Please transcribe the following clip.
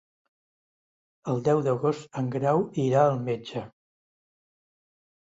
El deu d'agost en Grau irà al metge.